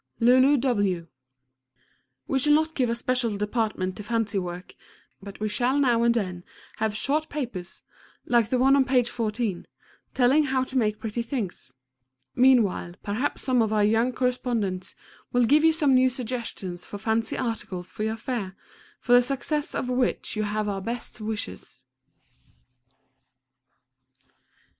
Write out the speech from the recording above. LULU W. We shall not give a special department to fancy work, but we shall now and then have short papers, like the one on page 14, telling how to make pretty things. Meanwhile perhaps some of our young correspondents will give you some new suggestions for fancy articles for your fair, for the success of which you have our best wishes.